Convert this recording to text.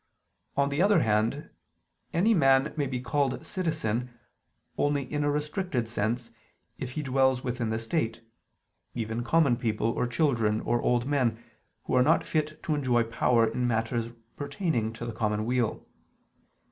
On the other hand, any man may be called citizen, only in a restricted sense, if he dwells within the state, even common people or children or old men, who are not fit to enjoy power in matters pertaining to the common weal.